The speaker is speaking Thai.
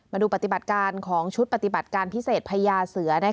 มาดูปฏิบัติการของชุดปฏิบัติการพิเศษพญาเสือ